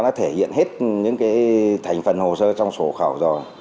có thể nhớ hết những cái thành phần hồ sơ trong sổ khẩu rồi